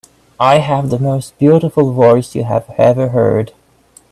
I have the most beautiful voice you have ever heard.